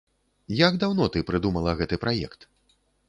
Як даўно ты прыдумала гэты праект?